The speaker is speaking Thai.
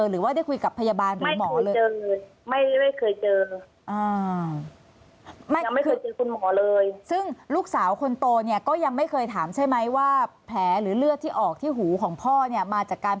หรือได้คุยกับพยาบาลหรือหมอ